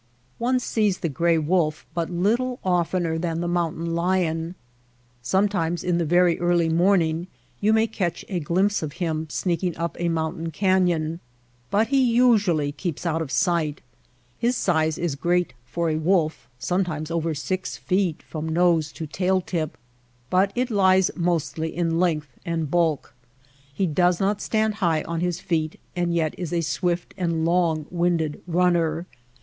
One sees the gray wolf but little oftener than the mountain lion. Sometimes in the very Hie moun tain lion. Habits of the moun tain lion. The gray wolf. 158 THE DESERT early morning you may catch a glimpse of him sneaking np a mountain canyon, but he usually keeps out of sight. His size is great for a wolf — sometimes over six feet from nose to tail tip — but it lies mostly in length and bulk. He does not stand high on his feet and yet is a swift and long winded runner.